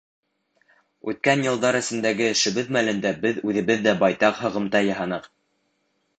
Үткән йылдар эсендәге эшебеҙ мәлендә беҙ үҙебеҙ ҙә байтаҡ һығымта яһаныҡ.